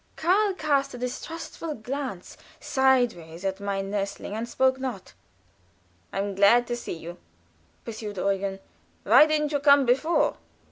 Karl cast a distrustful glance sideways at my nursling and spoke not. "I'm glad to see you," pursued Eugen. "Why didn't you come before?"